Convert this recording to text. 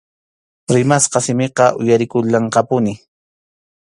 Rimasqa simiqa uyarikullanqapuni.